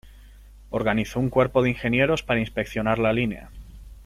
Organizó un cuerpo de ingenieros para inspeccionar la línea.